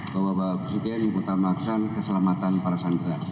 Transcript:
bahwa bapak presiden ikutan melaksanakan keselamatan para sanggara